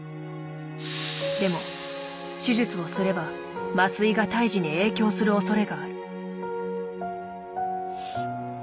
でも手術をすれば麻酔が胎児に影響するおそれがある。